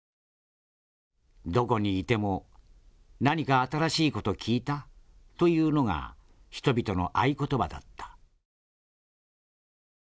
どこにいても『何か新しい事聞いた？』というのが人々の合言葉だった」。